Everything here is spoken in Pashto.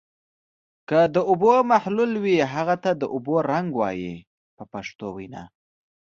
که د اوبو محلل وي هغه ته د اوبو رنګ وایي په پښتو وینا.